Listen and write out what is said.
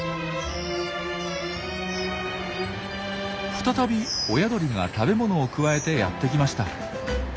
再び親鳥が食べ物をくわえてやってきました。